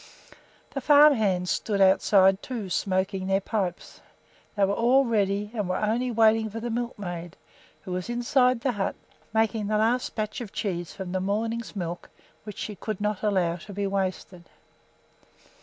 The farm hands stood outside, too, smoking their pipes. They were all ready, and were only waiting for the milkmaid, who was inside the hut making the last batch of cheese from the morning's milk, which she could not allow to be wasted.